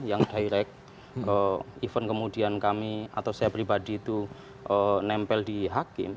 yang direct event kemudian kami atau saya pribadi itu nempel di hakim